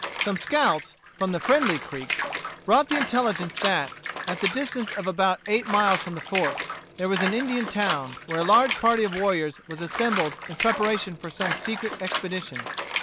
Some scouts, from the friendly Creeks, brought the intelligence that, at the distance of about eight miles from the fort, there was an Indian town, where a large party of warriors was assembled in preparation for some secret expedition.